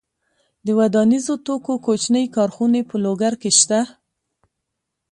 د ودانیزو توکو کوچنۍ کارخونې په لوګر کې شته.